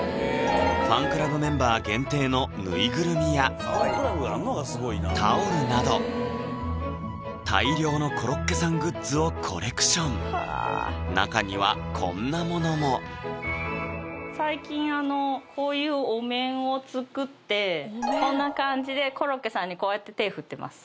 ファンクラブメンバー限定のぬいぐるみやタオルなど大量のコロッケさんグッズをコレクション中にはこんなものもこんな感じでコロッケさんにこうやって手ぇ振ってます